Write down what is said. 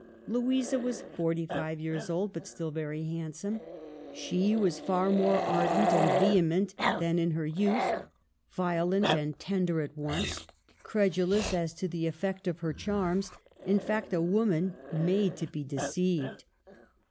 Louisa was forty five years old, but still very handsome. She was far more ardent and vehement than in her youth, violent and tender at once, credulous as to the effect of her own charms ; in fact, a woman made to be deceived.